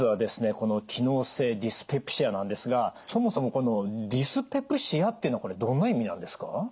この機能性ディスペプシアなんですがそもそもこの「ディスペプシア」っていうのはこれどんな意味なんですか？